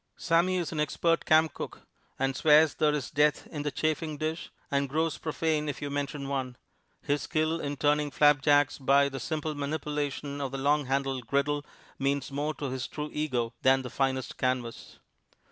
Sammy is an expert camp cook, and swears there is death in the chafing dish, and grows profane if you mention one. His skill in turning flapjacks by a simple manipulation of the long handled griddle means more to his true ego than the finest canvas.